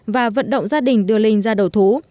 và vận động gia đình đưa linh ra đầu thú